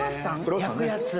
焼くやつ